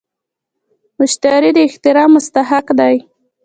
مشتري د احترام مستحق دی.